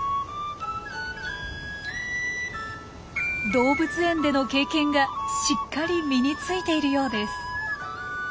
動物園での経験がしっかり身についているようです。